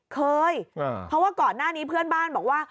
เคยเพราะว่าก่อนหน้านี้เพื่อนบ้านบอกว่า